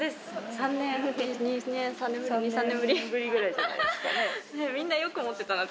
３年ぶりぐらいじゃないです